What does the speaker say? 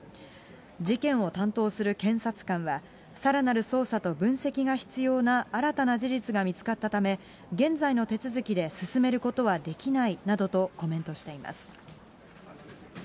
事件を担当する検察官はさらなる捜査と分析が必要な新たな事実が見つかったため、現在の手続きで進めることはできないなどとコメントしています。